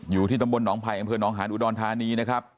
อยู่ที่ตำบลหนองภัยกำเผือนหนองหานอุดอนธานีนะครับ